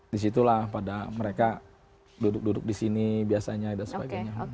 disitulah pada mereka duduk duduk di sini biasanya dan sebagainya